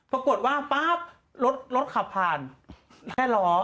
ปรากฏว่าปั๊บรถขับผ่าน๕ล้อ